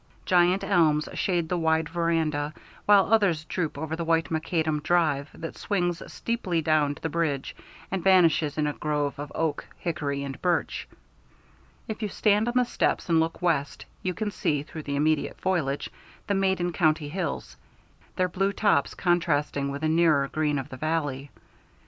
Giant elms shade the wide veranda, while others droop over the white macadam drive that swings steeply down to the bridge and vanishes in a grove of oak, hickory, and birch. If you stand on the steps and look west, you can see, through the immediate foliage, the Maiden County hills, their blue tops contrasting with the nearer green of the valley.